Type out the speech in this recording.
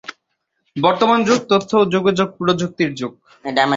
বর্তমান যুগ তথ্য ও যোগাযোগ প্রযুক্তির যুগ।